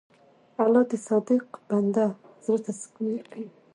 الله د صادق بنده زړه ته سکون ورکوي.